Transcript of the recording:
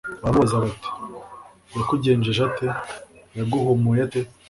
Baramubaza bati: «Yakugenjeje ate? Yaguhumuye ate?»